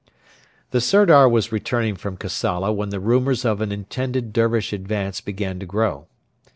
The Sirdar was returning from Kassala when the rumours of an intended Dervish advance began to grow.